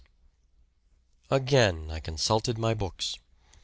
First Again I consulted my books.